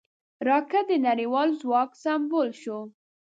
راکټ د نړیوال ځواک سمبول شو